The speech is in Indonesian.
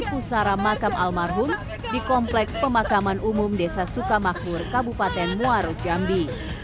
pusara makam almarhum di kompleks pemakaman umum desa sukamakmur kabupaten muaru jambi